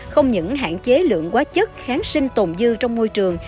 không những hạn chế lượng hóa chất kháng sinh tồn dư trong môi trường